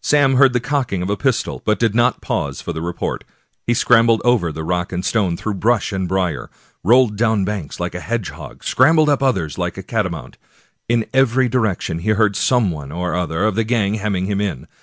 Sam heard the cocking of a pistol, but did not pause for the report. He scrambled over rock and stone, through brush and brier, rolled down banks like a hedgehog, scram bled up others like a catamount. In every direction he heard some one or other of the gang hemming him in.